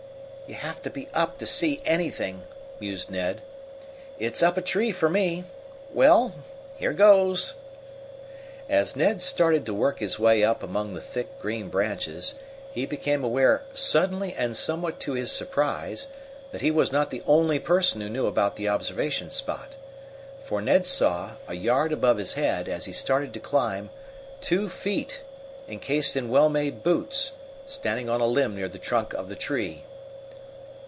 "You have to be up to see anything," mused Ned. "It's up a tree for me! Well, here goes!" As Ned started to work his way up among the thick, green branches, he became aware, suddenly and somewhat to his surprise, that he was not the only person who knew about the observation spot. For Ned saw, a yard above his head, as he started to climb, two feet, encased in well made boots, standing on a limb near the trunk of the tree.